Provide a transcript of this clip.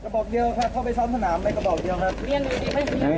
กระบอบเยอะค่ะเข้าไปซ้อนสนามมีกระบอบเยอะครับ